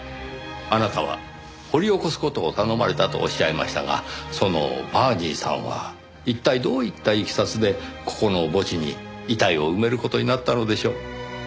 あなたは掘り起こす事を頼まれたとおっしゃいましたがそのバーニーさんは一体どういったいきさつでここの墓地に遺体を埋める事になったのでしょう？